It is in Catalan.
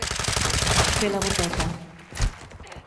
Fer la boteta.